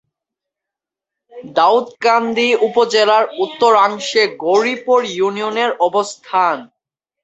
দাউদকান্দি উপজেলার উত্তরাংশে গৌরীপুর ইউনিয়নের অবস্থান।